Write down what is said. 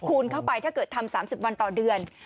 เข้าไปถ้าเกิดทำ๓๐วันต่อเดือน